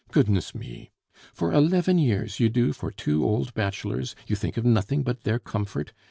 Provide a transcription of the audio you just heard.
Goodness me! for eleven years you do for two old bachelors, you think of nothing but their comfort.